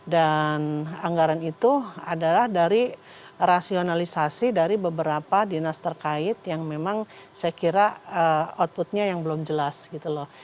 dan anggaran itu adalah dari rasionalisasi dari beberapa dinas terkait yang memang saya kira outputnya yang belum jelas gitu loh